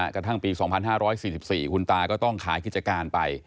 กระทั่งปี๒๕๔๔คุณตาก็ต้องขายกิจการไป